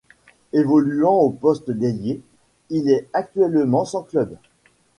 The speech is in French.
Évoluant au poste d'ailier, il est actuellement sans club.